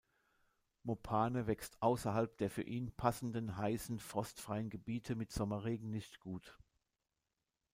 Mopane wächst außerhalb der für ihn passenden heißen, frostfreien Gebiete mit Sommerregen nicht gut.